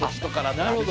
なるほど。